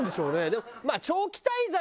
でも。